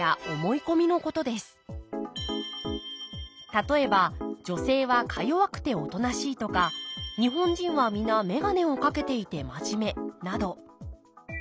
例えば女性はかよわくておとなしいとか日本人は皆眼鏡を掛けていてまじめなど。